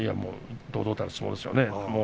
堂々とした相撲ですよね。